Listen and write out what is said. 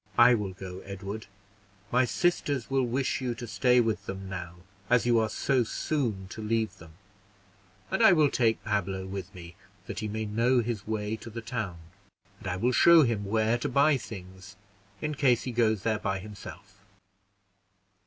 "I will go, Edward; my sisters will wish you to stay with them now, as you are so soon to leave them; and I will take Pablo with me, that he may know his way to the town; and I will show him where to buy things, in case he goes there by himself."